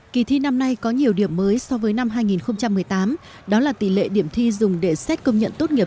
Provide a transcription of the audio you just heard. kỳ thi năm nay có nhiều điểm mới so với năm hai nghìn một mươi tám đó là tỷ lệ điểm thi dùng để xét công nhận tốt nghiệp